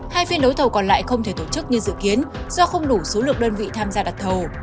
hai phiên đấu thầu còn lại không thể tổ chức như dự kiến do không đủ số lượng đơn vị tham gia đặt thầu